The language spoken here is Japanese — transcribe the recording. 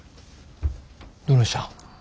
どないしたん。